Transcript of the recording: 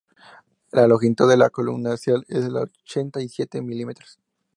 La longitud de la columna axial es de ochenta y siete milímetros.